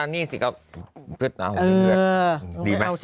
นี่สิก็เอ๋อดีไหมเอาสิ